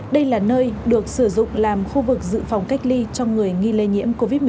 đây là nơi được sử dụng làm khu vực dự phòng cách ly cho người nghi lây nhiễm covid một mươi chín